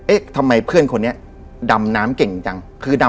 เอ๊ะทำไมเพื่อนคนนี้ดำน้ำเก่งจัง